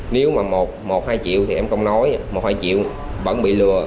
nếu mà một hai triệu thì em không nói một hai triệu vẫn bị lừa